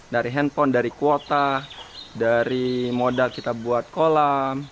dari handphone dari kuota dari modal kita buat kolam